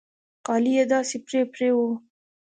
کالي يې داسې پرې پرې وو.